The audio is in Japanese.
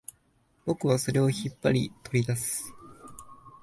僕はそれを引っ張り、取り出す